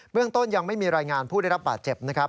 เรื่องต้นยังไม่มีรายงานผู้ได้รับบาดเจ็บนะครับ